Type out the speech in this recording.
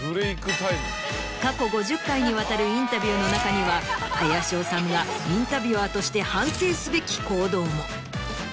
過去５０回にわたるインタビューの中には林修がインタビュアーとして反省すべき行動も。